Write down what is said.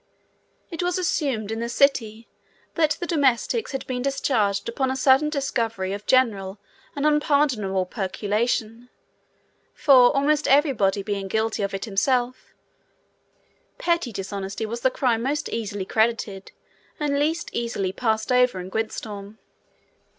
It was assumed in the city that the domestics had been discharged upon a sudden discovery of general and unpardonable peculation; for, almost everybody being guilty of it himself, petty dishonesty was the crime most easily credited and least easily passed over in Gwyntystorm.